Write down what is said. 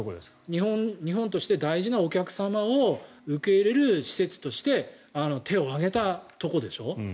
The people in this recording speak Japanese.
日本として大事なお客様を受け入れる施設として手を挙げたところでしょ。